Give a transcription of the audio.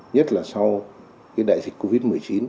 nhất là sau đại dịch covid một mươi chín